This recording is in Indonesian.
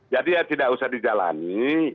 jadi ya tidak usah dijalani